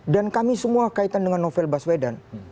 dan kami semua kaitan dengan novel baswedan